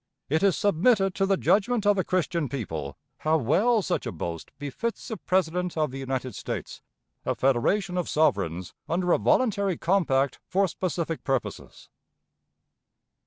It is submitted to the judgment of a Christian people how well such a boast befits the President of the United States, a federation of sovereigns under a voluntary compact for specific purposes.